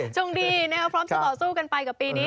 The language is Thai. ชงดีพร้อมจะต่อสู้กันไปกับปีนี้